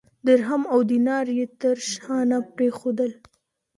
درهم او دینار یې تر شا نه پرېښودل.